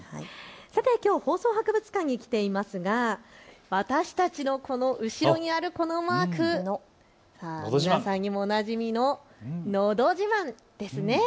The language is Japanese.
きょうは放送博物館に来ていますが私たちのこの、後ろにあるこのマーク、皆さんにもおなじみののど自慢ですね。